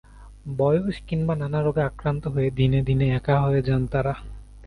বয়স কিংবা নানা রোগে আক্রান্ত হয়ে দিনে দিনে একা হয়ে যান তারা।